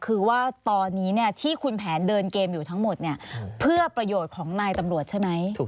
เอออทุกเรื่องนะครับ